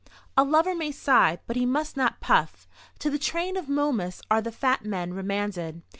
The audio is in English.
A lover may sigh, but he must not puff. To the train of Momus are the fat men remanded.